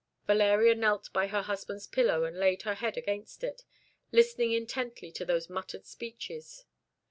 Valeria knelt by her husband's pillow and laid her head against it, listening intently to those muttered speeches.